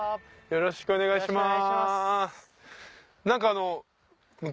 よろしくお願いします。